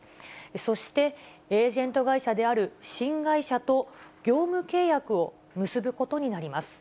そして、エージェント会社である新会社と業務契約を結ぶことになります。